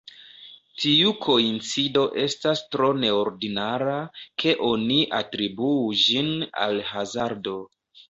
Tiu koincido estas tro neordinara, ke oni atribuu ĝin al hazardo.